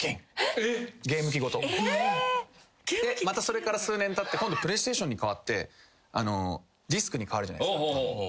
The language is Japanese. またそれから数年たって今度プレイステーションにかわってディスクにかわるじゃないですか。